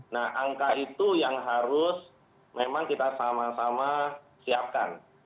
nah angka itu yang harus memang kita sama sama siapkan